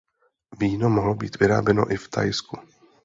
Víno mohlo být vyráběno i v Thajsku.